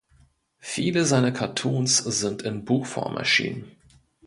Viele seiner Cartoons sind in Buchform erschienen.